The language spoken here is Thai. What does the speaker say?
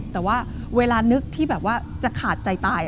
แต่ว่าเวลานึกที่แบบว่าจะขาดใจตาย